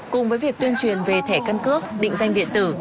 cùng với việc tuyên truyền về thẻ căn cước định danh điện tử